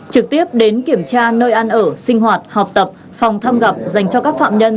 trực tiếp đến kiểm tra nơi ăn ở sinh hoạt học tập phòng thăm gặp dành cho các phạm nhân